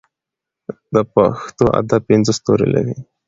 د پښتو ادب پنځه ستوري لري.